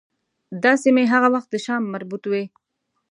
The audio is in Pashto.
دا سیمې هغه وخت د شام مربوط وې.